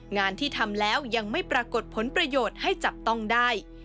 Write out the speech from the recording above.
งานที่ทำแล้วยังไม่ปรากฏผลประโยชน์ให้จับต้องได้